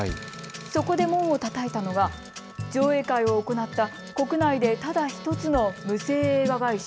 そこで門をたたいたのが上映会を行った国内でただ１つの無声映画会社。